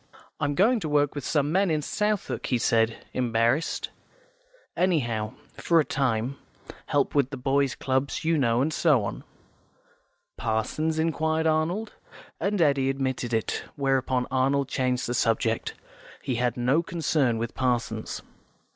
"I'm going to work with some men in Southwark," he said, embarrassed. "Anyhow, for a time. Help with boys' clubs, you know, and so on." "Parsons?" inquired Arnold, and Eddy admitted it, where upon Arnold changed the subject; he had no concern with Parsons.